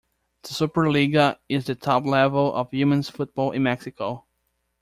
The Superliga is the top level of women's football in Mexico.